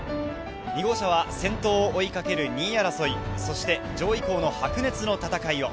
２号車は先頭を追いかける２位争い、そして上位校の白熱の戦いを。